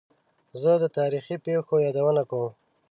زه د تاریخي پېښو یادونه کوم.